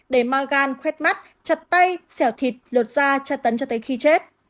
để mau gan khuét mắt chặt tay xẻo thịt lột da tra tấn cho tới khi chết